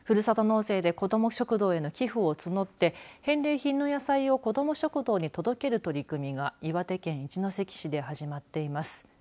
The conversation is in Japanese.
ふるさと納税で子ども食堂への寄付を募って返礼品の野菜を子ども食堂に届ける取り組みが岩手県一関市で始まっています。